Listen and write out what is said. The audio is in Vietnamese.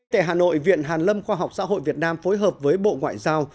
tại hà nội viện hàn lâm khoa học xã hội việt nam phối hợp với bộ ngoại giao